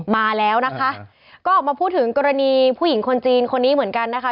มาแล้วนะคะก็ออกมาพูดถึงกรณีผู้หญิงคนจีนคนนี้เหมือนกันนะคะ